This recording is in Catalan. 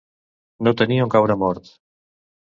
No tenir on caure mort.